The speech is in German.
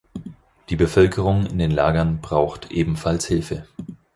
Die Bevölkerung in den Lagern braucht ebenfalls Hilfe.